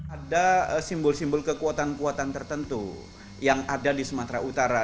ada simbol simbol kekuatan kekuatan tertentu yang ada di sumatera utara